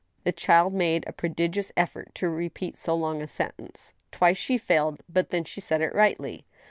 The child made a prodigious effort to repeat so long a sentence ; twice she failed, but then she said it rightly.